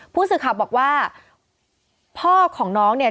ผู้สื่อข่าวบอกว่าพ่อของน้องเนี่ย